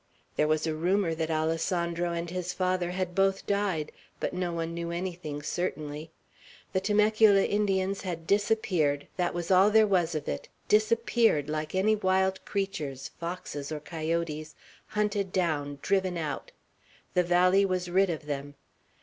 There was a rumor that Alessandro and his father had both died; but no one knew anything certainly. The Temecula Indians had disappeared, that was all there was of it, disappeared, like any wild creatures, foxes or coyotes, hunted down, driven out; the valley was rid of them.